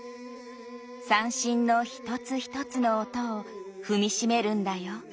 「三線の一つ一つの音を踏みしめるんだよ」